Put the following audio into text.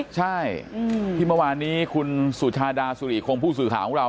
ใช่ที่เมื่อวานนี้คุณสุชาดาสุริคงผู้สื่อข่าวของเรา